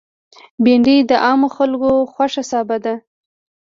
بېنډۍ د عامو خلکو خوښ سابه ده